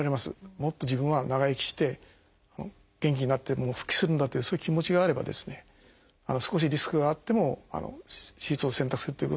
もっと自分は長生きして元気になって復帰するんだというそういう気持ちがあればですね少しリスクがあっても手術を選択するということは可能だと思います。